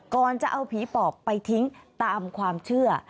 ก่อนจะเอาผีปอบไปทิ้งตามความเชื่อ